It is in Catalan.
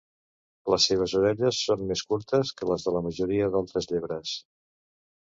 Les seves orelles són més curtes que les de la majoria d'altres llebres.